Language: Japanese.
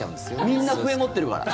みんな笛、持ってるから。